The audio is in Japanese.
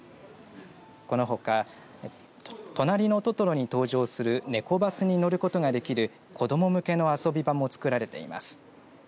このほか、となりのトトロに登場するネコバスに乗ることができる子ども向けの遊び場もつくられています。